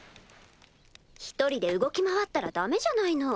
一人で動き回ったら駄目じゃないの。